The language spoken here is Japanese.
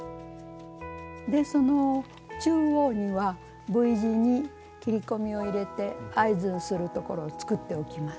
でその中央にはＶ字に切り込みを入れて合図にするところを作っておきます。